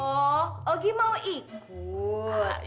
oh ogi mau ikut